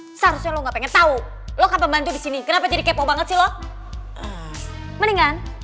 seharusnya lo nggak pengen tahu lo kapan bantu di sini kenapa jadi kepo banget sih lo mendingan